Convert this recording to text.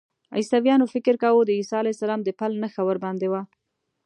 عیسویانو فکر کاوه د عیسی علیه السلام د پل نښه ورباندې وه.